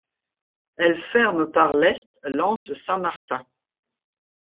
Elle ferme par l'est l'anse Saint-Martin.